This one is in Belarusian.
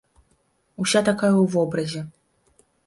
Уся такая ў вобразе.